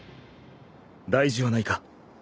大事はないか？